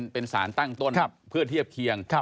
เป็นสารตั้งต้นเพื่อเทียบเคียง